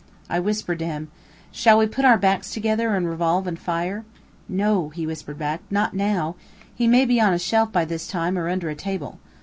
I whispered to him: "Shall we put our backs together and revolve and fire?" "No," he whispered back, "not now; he may be on a shelf by this time, or under a table.